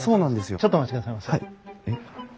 ちょっとお待ちくださいませ。